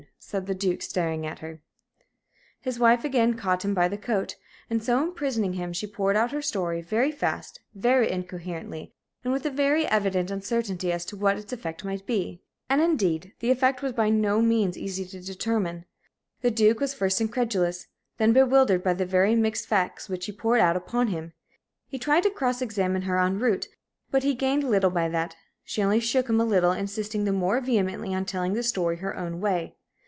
said the Duke, staring at her. His wife again caught him by the coat, and, so imprisoning him, she poured out her story very fast, very incoherently, and with a very evident uncertainty as to what its effect might be. And indeed the effect was by no means easy to determine. The Duke was first incredulous, then bewildered by the very mixed facts which she poured out upon him. He tried to cross examine her en route, but he gained little by that; she only shook him a little, insisting the more vehemently on telling the story her own way.